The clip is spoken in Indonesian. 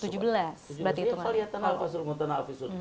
ya kalau lihat tenaga pasur penguatan alfi sur